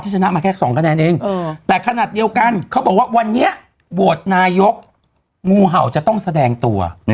ชนะมาแค่๒คะแนนเองแต่ขนาดเดียวกันเขาบอกว่าวันนี้โหวตนายกงูเห่าจะต้องแสดงตัว